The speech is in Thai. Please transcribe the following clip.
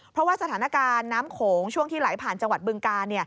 เพราะว่าสถานการณ์น้ำโขงช่วงที่ไหลผ่านจังหวัดบึงกา